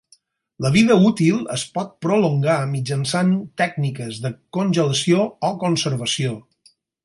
La vida útil es pot prolongar mitjançant tècniques de congelació o conservació.